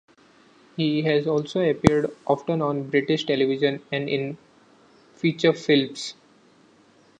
He has also appeared often on British television and in feature films.